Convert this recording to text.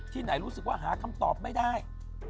ที่ไหนรู้สึกว่าหาคำตอบไม่ได้